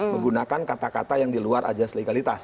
menggunakan kata kata yang di luar ajas legalitas